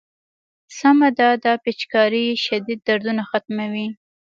سمه ده دا پيچکارۍ شديد دردونه ختموي.